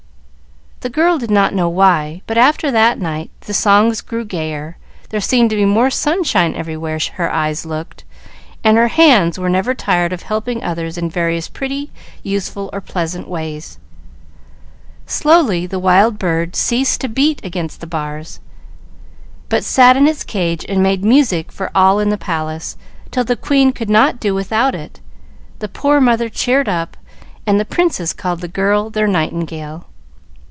The girl did not know why, but after that night the songs grew gayer, there seemed to be more sunshine everywhere her eyes looked, and her hands were never tired of helping others in various pretty, useful, or pleasant ways. Slowly the wild bird ceased to beat against the bars, but sat in its cage and made music for all in the palace, till the queen could not do without it, the poor mother cheered up, and the princes called the girl their nightingale."